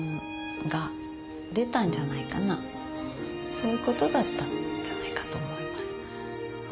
そういうことだったんじゃないかと思います。